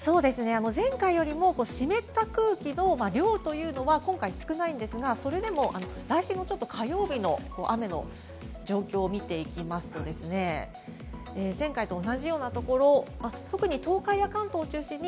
前回よりも湿った空気の量というのは今回少ないですが、それでも来週の火曜日の雨の状況を見ていきますと、前回と同じような所、特に東海や関東を中心に。